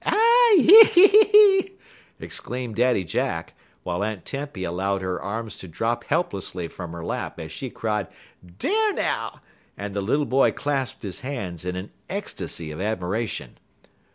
"Ah yi ee!" exclaimed Daddy Jack, while Aunt Tempy allowed her arms to drop helplessly from her lap as she cried "Dar now!" and the little boy clasped his hands in an ecstasy of admiration.